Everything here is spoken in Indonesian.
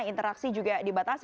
interaksi juga dibatas